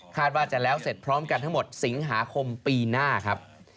ว่าจะแล้วเสร็จพร้อมกันทั้งหมดสิงหาคมปีหน้าครับ